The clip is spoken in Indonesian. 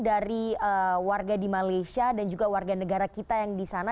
dari warga di malaysia dan juga warga negara kita yang di sana